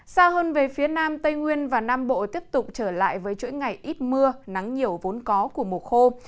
xa hơn về phía nam tây nguyên và nam bộ tiếp tục trở lại với chuỗi ngày ít mưa nắng nhiều vốn có của mùa khô